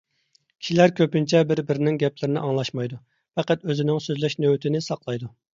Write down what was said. كىشىلەر كۆپىنچە بىر-بىرىنىڭ گەپلىرىنى ئاڭلاشمايدۇ، پەقەت ئۆزىنىڭ سۆزلەش نۆۋىتىنى ساقلايدۇ.